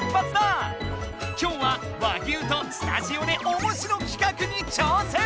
きょうは和牛とスタジオでおもしろ企画に挑戦！